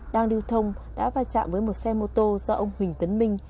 đang điều thông đã vai trạng với một xe mô tô do ông huỳnh tấn minh